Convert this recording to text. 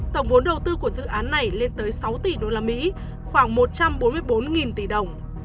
tổng vốn đầu tư của dự án này lên tới sáu tỷ usd khoảng một trăm bốn mươi bốn tỷ đồng